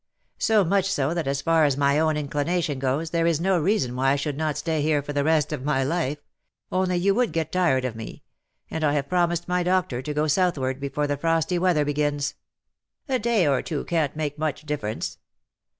^' So much so that as far as my own inclination goes there is no reason why I should not stay here for the rest of my life — only you would get tired of me — and I have promised my doctor to go southward before the frosty weather begins." " A day or two can't make much difference.''